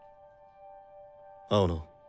青野。